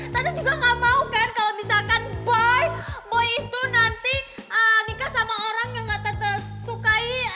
tante juga gak mau kan kalau misalkan boy itu nanti nikah sama orang yang gak tante sukai